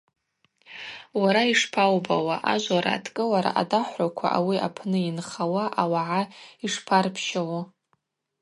Уара йшпаубауа, ажвлара адкӏылара адахӏвраква ауи апны йынхауа ауагӏа йшпарпщылу?